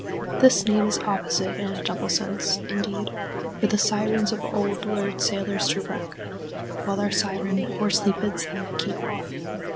This name is opposite in a double sense, indeed, for the sirens of old lured sailors to wreck, while our siren hoarsely bids them keep off.